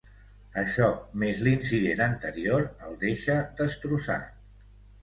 Això, més l'incident anterior, el deixa destrossat.